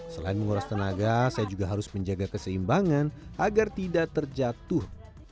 selain menguras tenaga saya juga harus menjaga keseimbangan agar tidak terjatuh